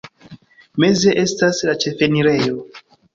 Meze estas la ĉefenirejo.